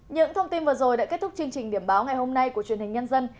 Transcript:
những thông tin vừa rồi đã kết thúc chương trình điểm báo ngày hôm nay của truyền hình nhân dân